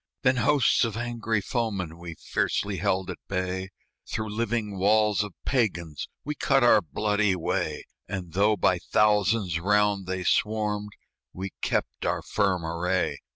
Then hosts of angry foemen We fiercely held at bay, Through living walls of Pagans We cut our bloody way; And though by thousands round they swarmed, We kept our firm array.